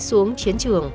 xuống chiến trường